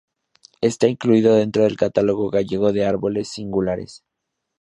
Está incluido dentro del Catálogo gallego de árboles singulares.